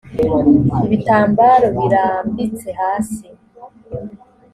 ibitambaro birambitse hasi.